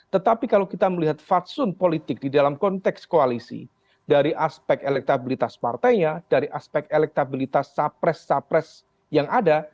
tetapi kalau kita melihat fatsun politik di dalam konteks koalisi dari aspek elektabilitas partainya dari aspek elektabilitas capres capres yang ada